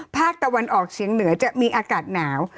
ภาคตะวันออกเฉียงเหนือจะมีอากาศหนาว